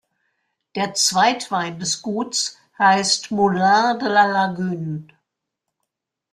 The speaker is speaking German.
Der Zweitwein des Guts heißt "Moulin de La Lagune".